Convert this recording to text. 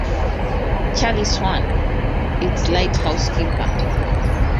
Charlie Swan, its lighthouse keeper.